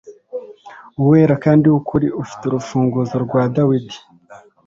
Uwera kandi w'ukuri, ufite urufunguzo rwa Dawidi,